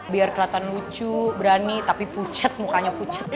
biar keliatan lucu berani tapi pucet mukanya pucet banget